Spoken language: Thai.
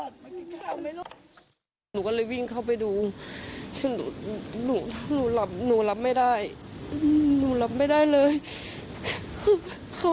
เพราะกลัวที่สัมภาษณ์ประจำตอนนี้คือโทษค่ะ